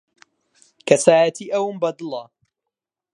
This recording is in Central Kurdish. کەسایەتیی ئەوم بەدڵە.